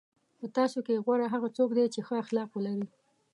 په تاسو کې غوره هغه څوک دی چې ښه اخلاق ولري.